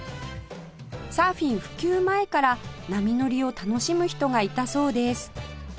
サーフィン普及前から波乗りを楽しむ人がいたそうです